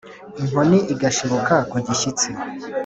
inkoni igashibuka kugishyitsi,